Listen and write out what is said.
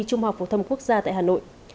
trung học phổ thâm quốc gia tại hà nội